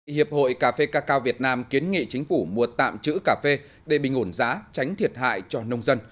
hiệp hội cà phê cà cao việt nam kiến nghị chính phủ mua tạm chữ cà phê để bình ổn giá tránh thiệt hại cho nông dân